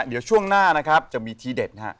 เดี๋ยวช่วงหน้าจะมีทีเด็ด